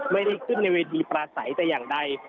ไม่ได้ขึ้นในเวทีปราศัยแต่อย่างใด